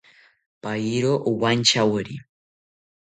Payiro owantyawori